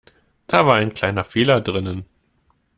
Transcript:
Da war ein kleiner Fehler drinnen.